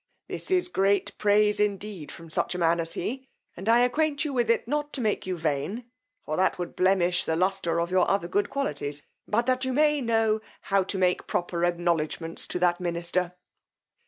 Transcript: This is a great praise, indeed, from such a man as he; and I acquaint you with it not to make you vain, for that would blemish the lustre of your other good qualities, but that you may know how to make proper acknowledgments to that minister."